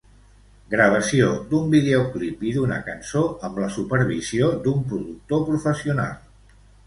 Gravació d'un videoclip i d'una cançó, amb la supervisió d'un productor professional.